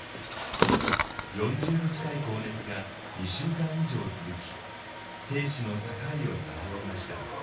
４０度近い高熱が２週間以上続き生死の境をさまよいました。